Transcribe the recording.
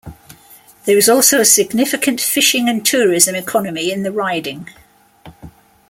There is also a significant fishing and tourism economy in the riding.